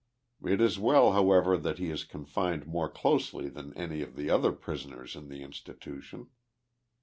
It is well, however, that he is confined more closely than any of the other prisoners in the institution.